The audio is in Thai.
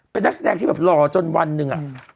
เป็นนักแสดงที่แบบหล่อจนวันหนึ่งอะ